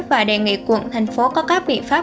và đề nghị quận thành phố có các biện pháp